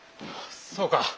そうか。